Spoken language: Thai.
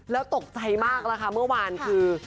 แล้วตกใจมากนะคะเมื่อวานคือ